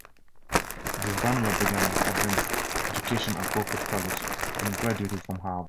This Barnwell began his advanced education at Beaufort College, then graduated from Harvard.